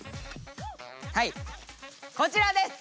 はいこちらです。